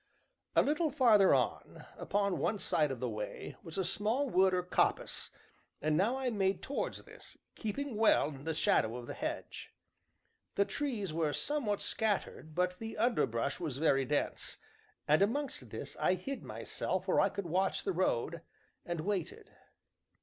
A little farther on, upon one side of the way, was a small wood or coppice, and now I made towards this, keeping well in the shadow of the hedge. The trees were somewhat scattered, but the underbrush was very dense, and amongst this I hid myself where I could watch the road, and waited.